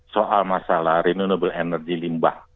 soal masalah renewable energy limbah